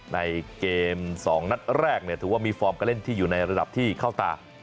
ในเกม๒นัดแรกถือว่ามีฟอร์มการเล่นที่อยู่ในระดับที่เข้าตา